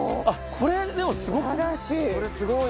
これでもすごくない？